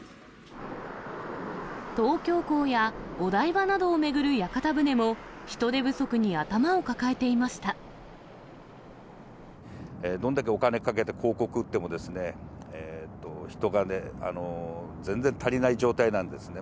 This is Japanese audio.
東京港やお台場などを巡る屋形船も、どんだけお金かけて、広告打ってもですね、人が全然足りない状態なんですね。